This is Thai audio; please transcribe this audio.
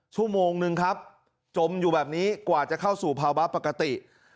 ชั่วโมงนึงครับจมอยู่แบบนี้กว่าจะเข้าสู่ภาวะปกติ